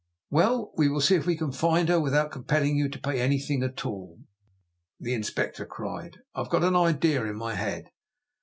"Well, we'll see if we can find her without compelling you to pay anything at all," the Inspector cried. "I've got an idea in my head."